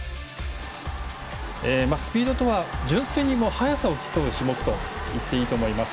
スピードは純粋に速さを競う種目といっていいと思います。